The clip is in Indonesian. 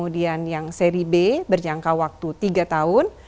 dan yang seri b berjangka waktu tiga tahun